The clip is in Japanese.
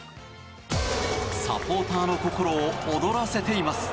サポーターの心を躍らせています。